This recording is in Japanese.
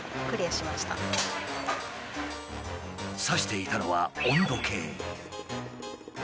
差していたのは温度計。